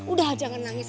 udah jangan nangis